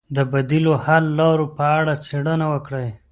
د بدیلو حل لارو په اړه څېړنه وکړئ.